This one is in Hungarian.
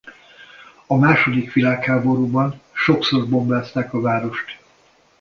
A második világháborúban sokszor bombázták a várost.